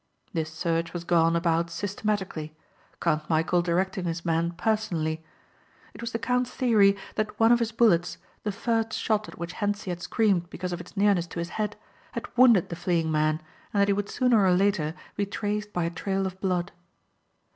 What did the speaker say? This search was gone about systematically Count Michæl directing his men personally. It was the count's theory that one of his bullets, the first shot at which Hentzi had screamed because of its nearness to his head, had wounded the fleeing man, and that he would sooner or later be traced by a trail of blood.